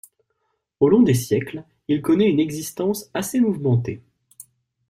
Au long des siècles, il connaît une existence assez mouvementée.